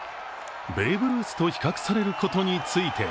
ベーブ・ルースと比較されることについては